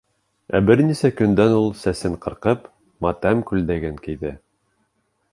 Ә бер нисә көндән ул, сәсен ҡырҡып, матәм күлдәген кейҙе.